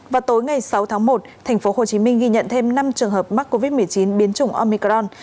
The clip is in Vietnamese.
vào tối ngày sáu tháng một tp hcm ghi nhận thêm năm trường hợp mắc covid một mươi chín biến chủng omicron